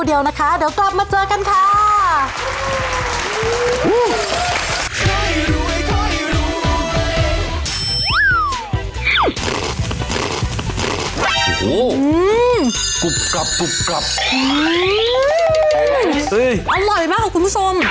อร่อยมากของคุณกุศม